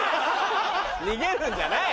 逃げるんじゃない！